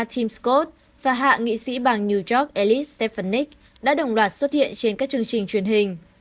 tim scott và hạ nghị sĩ bang new york ellis stefanik đã đồng loạt xuất hiện trên các chương trình truyền hình